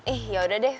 eh yaudah deh